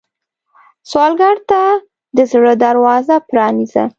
سوالګر ته د زړه دروازه پرانیزه